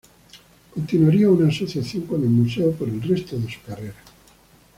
Continuaría una asociación con el Museo por el resto de su carrera.